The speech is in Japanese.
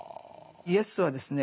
イエスはですね